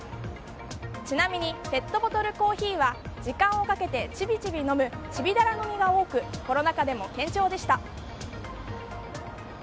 ちなみにペットボトルコーヒーは時間をかけてちびちび飲むちびだら飲みが多くコロナ禍でも堅調でした。